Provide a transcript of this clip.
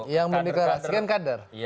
yang mendeklarasikan kader